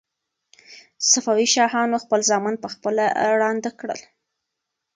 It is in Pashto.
صفوي شاهانو خپل زامن په خپله ړانده کړل.